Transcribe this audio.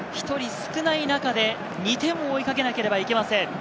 １人少ない中で２点を追いかけなければいけません。